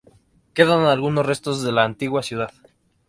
Quedan algunos restos de la antigua ciudad.